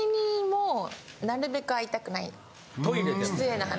失礼な話。